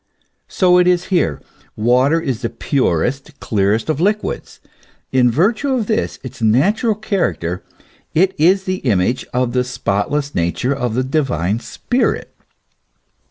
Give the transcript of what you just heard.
So it is here. Water is the purest, clearest of liquids ; in virtue of this its natural character it is the image of the spotless nature of the Divine Spirit.